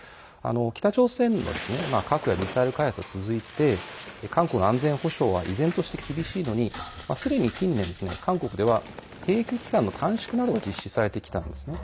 北朝鮮の核やミサイル開発が続いて韓国の安全保障は依然として厳しいのにすでに近年、韓国では兵役期間の短縮などが実施されてきたんです。